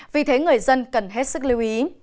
vì thế người dân cần hết sức lưu ý